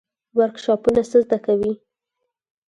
ورکشاپونه څه زده کوي؟